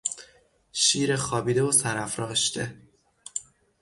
شیر خوابیده و سر افراشته